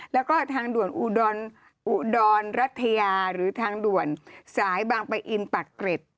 แล้วก็ทางด่วนอุดรรัฐยาหรือทางด่วนสายบางปะอินปากเกร็ด